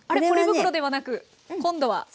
ポリ袋ではなく今度は。